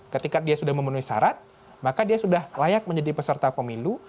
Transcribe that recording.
ketika dia sudah memenuhi syarat maka dia sudah layak menjadi peserta pemilu